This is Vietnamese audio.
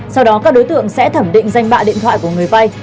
sau đó các đối tượng sẽ thẩm định danh bạ điện thoại của người vay